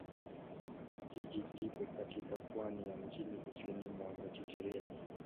Jiji lipo katika pwani ya mjini kusini mwa Mediteranea.